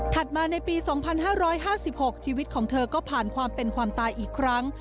มาในปี๒๕๕๖ชีวิตของเธอก็ผ่านความเป็นความตายอีกครั้ง